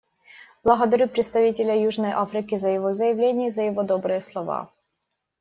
Благодарю представителя Южной Африки за его заявление и за его добрые слова.